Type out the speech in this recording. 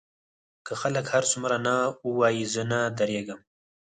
که خلک هر څومره نه ووايي زه نه درېږم.